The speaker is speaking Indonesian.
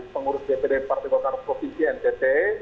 pengurus dpd partai golkar provinsi ntt